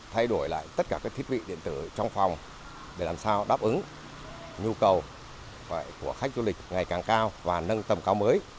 thay đổi lại tất cả các thiết bị điện tử trong phòng để làm sao đáp ứng nhu cầu của khách du lịch ngày càng cao và nâng tầm cao mới